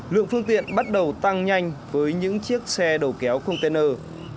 lượng phương tiện bắt đầu tăng nhanh với những chiếc xe đầu kéo container